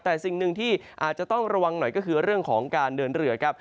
แต่สิ่งหนึ่งที่อาจจะต้องระวังหน่อยก็คือเรื่องของการเดินเรือครับ